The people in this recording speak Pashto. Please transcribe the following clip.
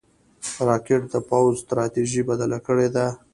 راکټ د پوځ ستراتیژي بدله کړې ده